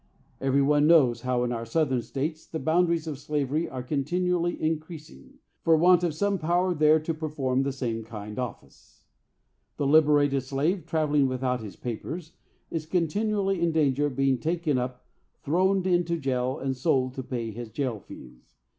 Every one knows how in our Southern States the boundaries of slavery are continually increasing, for want of some power there to perform the same kind office. The liberated slave, travelling without his papers, is continually in danger of being taken up, thrown into jail, and sold to pay his jail fees.